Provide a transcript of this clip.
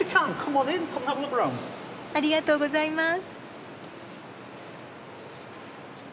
ありがとうございます。